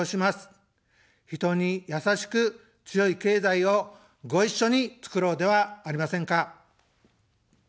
人に「やさしく強い経済」をご一緒につくろうではありませんか。